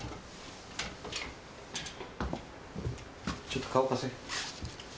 ちょっと顔貸せ。